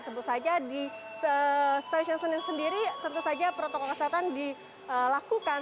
sebut saja di stasiun senin sendiri tentu saja protokol kesehatan dilakukan